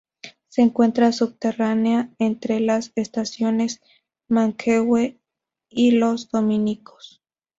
Se encuentra subterránea, entre las estaciones Manquehue y Los Dominicos.